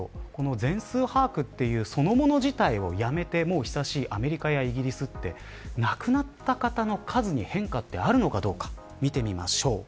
全数把握そのもの自体をやめてアメリカやイギリス亡くなった方の数に変化はあるのかどうか見てみましょう。